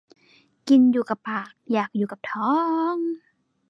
กินอยู่กับปาก อยากอยู่กับท้อง